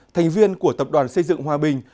thành viên của tập đoàn xây dựng hòa bình